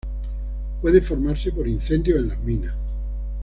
Puede formarse por incendios en las minas.